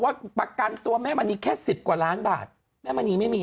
ประกันตัวแม่มณีแค่สิบกว่าล้านบาทแม่มณีไม่มี